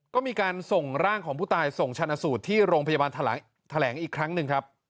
ก็มีการส่งร่างของผู้ตายส่งชนะสูตรที่โรงพยาบาลแถลงอีกครั้งหนึ่งครับ